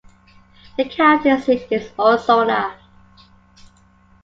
The county seat is Ozona.